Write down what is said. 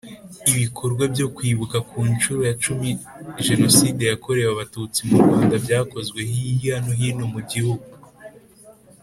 Ibikorwa byo kwibuka ku nshuro ya cumi Jenoside yakorewe Abatutsi mu Rwanda byakozwe hirya no hino mu gihugu